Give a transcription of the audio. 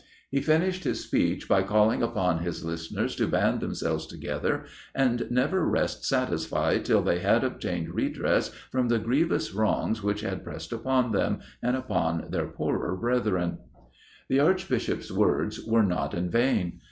He finished his speech by calling upon his listeners to band themselves together, and never rest satisfied till they had obtained redress from the grievous wrongs which had pressed upon them, and upon their poorer brethren. The Archbishop's words were not in vain.